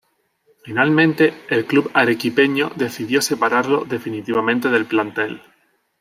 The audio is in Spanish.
Finalmente, el club arequipeño decidió separarlo definitivamente del plantel.